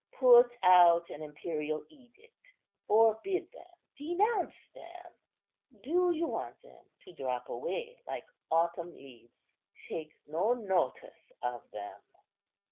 Put out an imperial edict, forbid them, denounce them. Do you want them to drop away like autumn leaves? Take no notice of them."